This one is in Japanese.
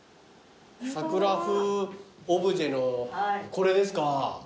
さくら風オブジェのこれですか。